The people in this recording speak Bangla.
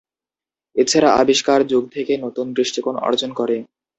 এছাড়া আবিষ্কার যুগ থেকে নতুন দৃষ্টিকোণ অর্জন করে।